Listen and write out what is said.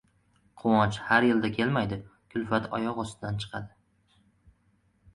• Quvonch har yilda kelmaydi, kulfat oyoq ostidan chiqadi.